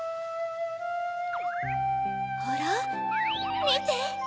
あらみて！